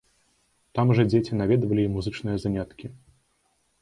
Там жа дзеці наведвалі і музычныя заняткі.